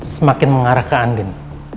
semakin mengarah ke andin